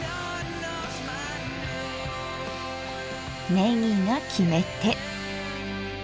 ねぎが決め手。